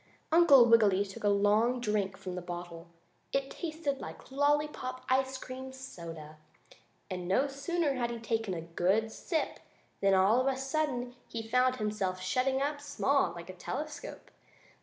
Uncle Wiggily took a long drink from the bottle. It tasted like lollypop ice cream soda, and no sooner had he taken a good sip than all of a sudden he found himself shutting up small, like a telescope.